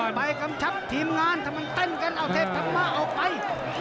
ใบกำชับทีมงานถ้ามันเต้นกันเอาเทพธรรมะออกไป